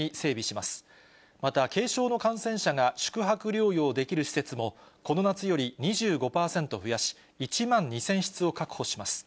また、軽症の感染者が宿泊療養できる施設も、この夏より２５％増やし、１万２０００室を確保します。